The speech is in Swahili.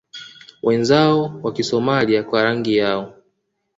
wenzao wa Kisomailia kwa rangi yao